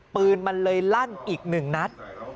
ปืนมันเลยลั่นอีก๑นัด